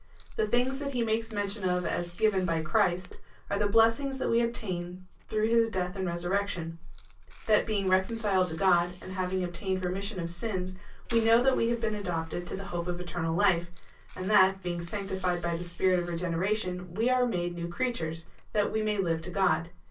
The things that he makes mention of as given by Christ are the blessings that we obtain through his death and resurrection — that being reconciled to God, and having obtained remission of sins, we know that w^e have been adopted to the hope of eternal life, and that, being sanctified by the Sj)irit of regeneration, we are made new creatures, that we may live to God.